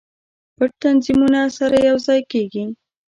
پټ تنظیمونه سره یو ځای کیږي.